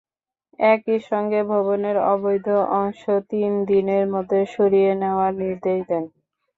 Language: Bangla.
একই সঙ্গে ভবনের অবৈধ অংশ তিন দিনের মধ্যে সরিয়ে নেওয়ার নির্দেশ দেন।